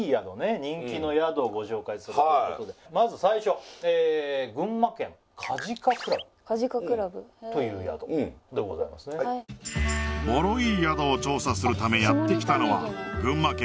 人気の宿をご紹介するということでまず最初群馬県かじか倶楽部かじか倶楽部という宿でございますねボロいい宿を調査するためやってきたのは群馬県